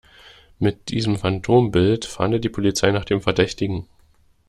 Mit diesem Phantombild fahndet die Polizei nach dem Verdächtigen.